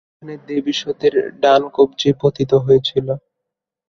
এখানে দেবী সতীর ডান কব্জি পতিত হয়েছিল।